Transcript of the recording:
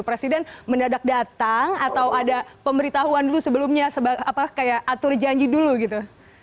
presiden mendadak datang atau ada pemberitahuan dulu sebelumnya apa kayak atur janji dulu gitu